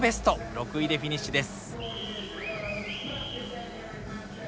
６位でフィニッシュです。